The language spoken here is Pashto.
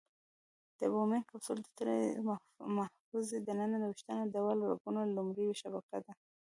بومن کپسول د تړلې محفظې د ننه د ویښته ډوله رګونو لومړۍ شبکه ده.